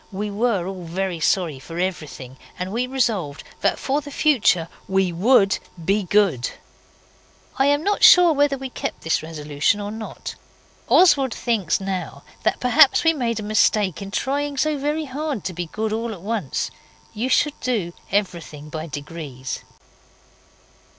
We were all very sorry for everything, and we resolved that for the future we WOULD be good. I am not sure whether we kept this resolution or not. Oswald thinks now that perhaps we made a mistake in trying so very hard to be good all at once. You should do everything by degrees.